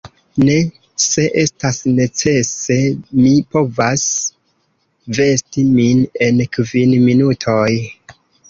Ne; se estas necese, mi povas vesti min en kvin minutoj.